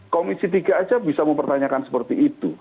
komisi tiga saja bisa mempertanyakan seperti itu